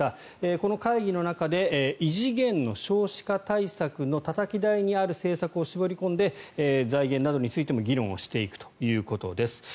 この会議の中で異次元の少子化対策のたたき台にある政策を絞り込んで財源などについても議論をしていくということです。